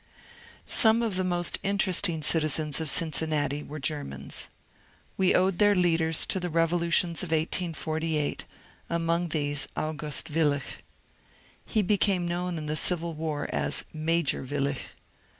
Some of the most interesting citizens of Cincinnati were Grermans. We owed their leaders to the revolutions of 1848, among these August WiUich. He became known in the civil war as Major Willich.